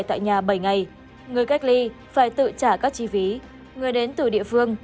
tại nhà bảy ngày người cách ly phải tự trả các chi phí người đến từ địa phương